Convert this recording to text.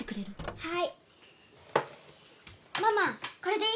はい。